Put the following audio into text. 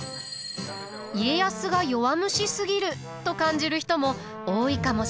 家康が弱虫すぎると感じる人も多いかもしれません。